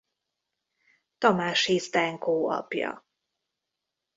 Tamássy Zdenko apja.